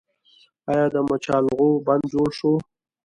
آیا د مچالغو بند جوړ شو؟